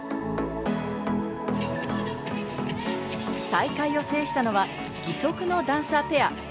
大会を制したのは、義足のダンサーペア。